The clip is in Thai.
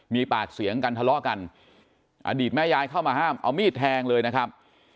มีปากเสียงกันทะเลาะกันอดีตแม่ยายเข้ามาห้ามเอามีดแทงเลยนะครับ